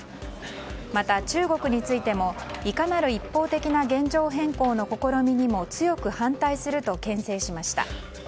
また、中国についてもいかなる一方的な現状変更の試みにも強く反対すると牽制しました。